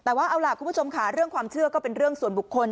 แต่ว่าเอาล่ะคุณผู้ชมค่ะเรื่องความเชื่อก็เป็นเรื่องส่วนบุคคล